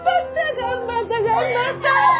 頑張った頑張った！